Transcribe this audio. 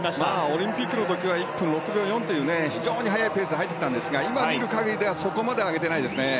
オリンピックの時は１分６秒４という非常に速いペースで入ってきたんですが今、見る限りではそこまで上げてないですね。